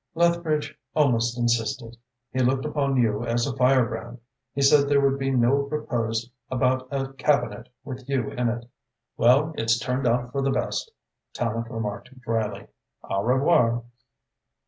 "Lethbridge almost insisted, he looked upon you as a firebrand. He said there would be no repose about a Cabinet with you in it." "Well, it's turned out for the best," Tallente remarked drily. "Au revoir!"